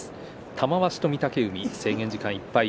玉鷲と御嶽海制限時間いっぱい。